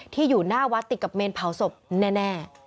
ที่อยู่หน้าวัดติดกับเมนเผาศพแน่